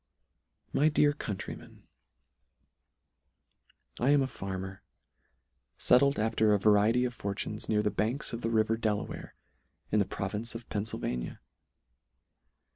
My Dear Countrymen, I AM a FARMER, fettled after a variety of fortunes, near the banks, of the river Delaware, in the province of Pennfylvania.